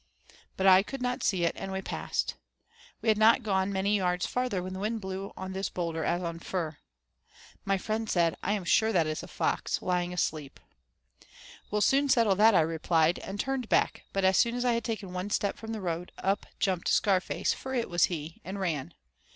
But I could not see it, and we passed. We had not gone many yards farther when the wind blew on this boulder as on fur. My friend said, "I am sure that is a fox, lying asleep." "We'll soon settle that," I replied, and turned back, but as soon as I had taken one step from the road, up jumped Scarface, for it was he, and ran.